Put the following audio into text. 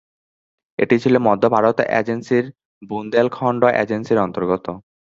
এটি ছিল মধ্য ভারত এজেন্সির বুন্দেলখণ্ড এজেন্সির অন্তর্গত।